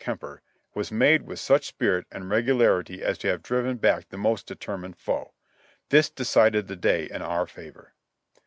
Kemper was made with such spirit and regularity as to have driven back the most determined foe. This decided the day in our favor."